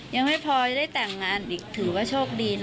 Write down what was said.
ยังไม่พอจะได้แต่งงานอีกถือว่าโชคดีนะ